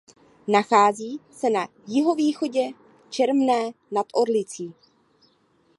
Nachází se na jihovýchodě Čermné nad Orlicí.